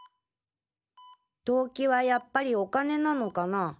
動機はやっぱりお金なのかな？